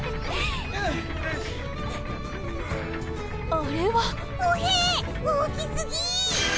あれはほへ⁉大きすぎ！